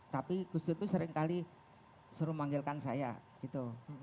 tapi kustur itu seringkali suruh memanggilkan saya gitu